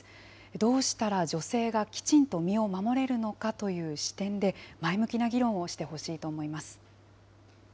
どうしたら女性がきちんと身を守れるのかという視点で、前向きな議論をしてほしいと思います。